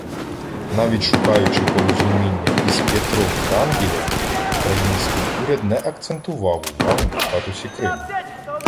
Навіть шукаючи порозуміння із Пєтром Вранґєлєм, український уряд не акцентував увагу на статусі Криму.